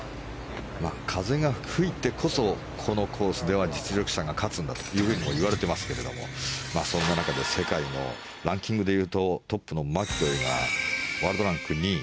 風が吹いてこそこのコースでは実力者が勝つんだと言われていますけれどもそんな中で世界のランキングで言うとトップのマキロイがワールドランク２位。